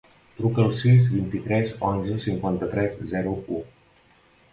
Truca al sis, vint-i-tres, onze, cinquanta-tres, zero, u.